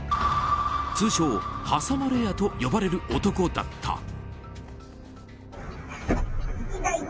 通称、挟まれ屋と呼ばれる男だった。